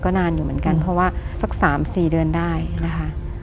นานอยู่เหมือนกันเพราะว่าสัก๓๔เดือนได้นะคะ